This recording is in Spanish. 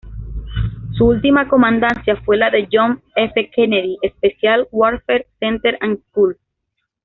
Su última comandancia fue la del "John F. Kennedy Special Warfare Center and School".